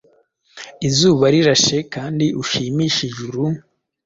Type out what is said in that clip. Izuba rirashe, Kandi ushimishe ijuru;